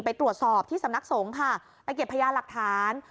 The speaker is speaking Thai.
ไปตรวจสอบที่สำนักสงฆ์ค่ะไปเก็บพยานหลักฐาน